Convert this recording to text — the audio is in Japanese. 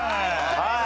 はい。